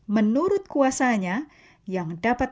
menurut kuasanya yang dapat